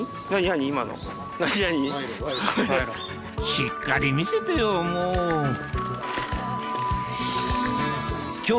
しっかり見せてよもう！